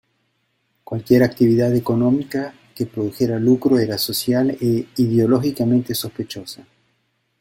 Cualquier actividad económica que produjera lucro era social e ideológicamente sospechosa.